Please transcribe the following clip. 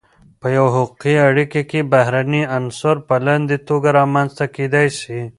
په یوه حقوقی اړیکی کی بهرنی عنصر په لاندی توګه رامنځته کیدای سی :